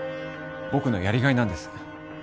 僕のやりがいなんです